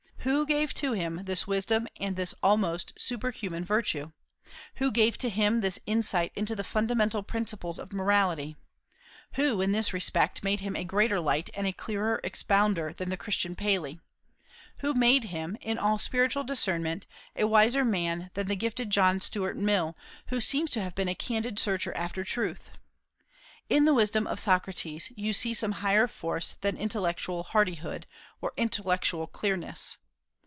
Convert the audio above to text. Who gave to him this wisdom and this almost superhuman virtue? Who gave to him this insight into the fundamental principles of morality? Who, in this respect, made him a greater light and a clearer expounder than the Christian Paley? Who made him, in all spiritual discernment, a wiser man than the gifted John Stuart Mill, who seems to have been a candid searcher after truth? In the wisdom of Socrates you see some higher force than intellectual hardihood or intellectual clearness.